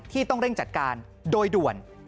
ต้องเร่งจัดการโดยด่วน